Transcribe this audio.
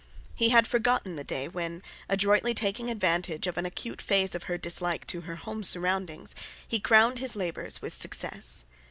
He had forgotten the day when, adroitly taking advantage of an acute phase of her dislike to her home surroundings, he crowned his labours with success.